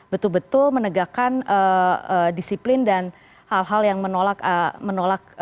betul betul menegakkan disiplin dan hal hal yang menolak